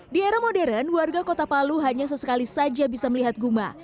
di era modern warga kota palu hanya sesekali saja bisa melihat guma